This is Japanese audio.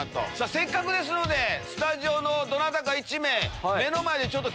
せっかくですのでスタジオのどなたか１名。